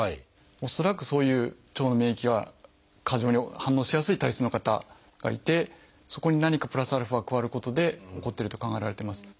恐らくそういう腸の免疫が過剰に反応しやすい体質の方がいてそこに何かプラスアルファが加わることで起こっていると考えられています。